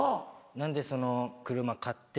なんでその車買って。